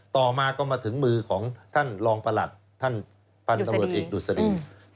ต่อมาก็มาถึงมือของท่านรองประหลัดท่านพันธุ์ตำรวจเอกดุษฎี